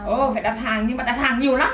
ơ phải đặt hàng nhưng mà đặt hàng nhiều lắm